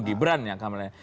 gibran yang kamerem